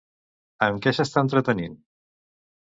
Amb què s'està entretenint?